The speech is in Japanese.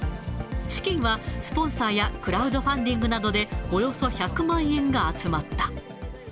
資金は、スポンサーやクラウドファンディングなどで、およそ１００万円が集まった。